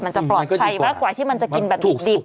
มันจะปลอดภัยมากกว่าที่มันจะกินแบบดิบ